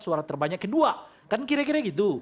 suara terbanyak kedua kan kira kira gitu